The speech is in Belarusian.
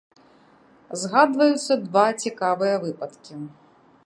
Згадваюцца два цікавыя выпадкі.